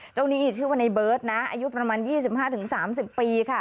เจ้านี่อีกชื่อว่าในเบิร์ดนะอายุประมาณยี่สิบห้าถึงสามสิบปีค่ะ